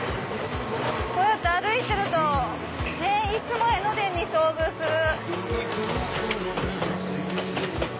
こうやって歩いてるといつも江ノ電に遭遇する。